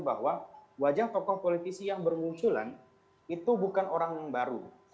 bahwa wajah tokoh politisi yang bermunculan itu bukan orang yang baru